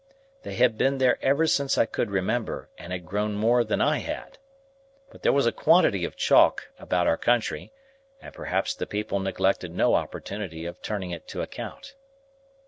They had been there ever since I could remember, and had grown more than I had. But there was a quantity of chalk about our country, and perhaps the people neglected no opportunity of turning it to account.